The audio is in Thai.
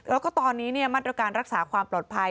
แล้วก็ตอนนี้มาตรการรักษาความปลอดภัย